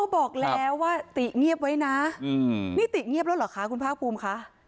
พระอาจารย์พระพุมคะ